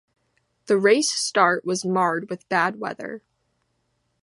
The race start was marred with bad weather.